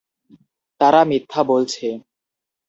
তারা মিথ্যা বলছে।